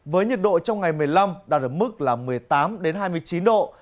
với nhiệt độ trong ngày một mươi năm đạt ở mức là một mươi tám hai mươi chín độ